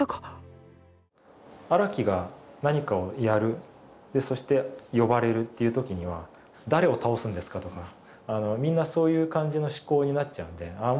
荒木が何かをやるそして呼ばれるっていうときには「誰を倒すんですか？」とかみんなそういう感じの思考になっちゃうので「違うんだ」と。